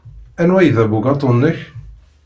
Anwa ay d abugaṭu-nnek?